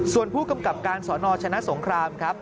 ส่วนผู้กำกับการสนชนะสงครามครับ